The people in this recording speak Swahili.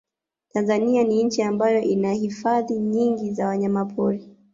Tanzania ni nchi ambayo ina hifadhi nyingi za wanyamapori